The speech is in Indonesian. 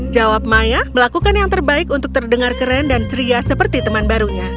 jawab maya melakukan yang terbaik untuk terdengar keren dan ceria seperti teman barunya